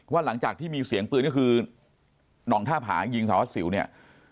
ว่าหลังจากที่มีเสียงปืนนี่คือหน่องท่าผายิงสวทชเนี่ย